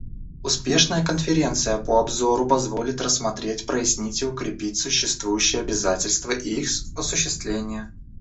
Успешная Конференция по обзору позволит рассмотреть, прояснить и укрепить существующие обязательства и их осуществление.